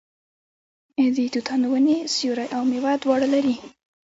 د توتانو ونې سیوری او میوه دواړه لري.